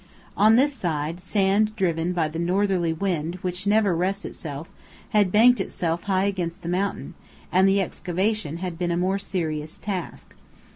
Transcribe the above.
On this side, sand driven by the northerly wind which never rests had banked itself high against the mountain, and the excavation had been a more serious task.